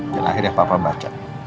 dan akhirnya papa baca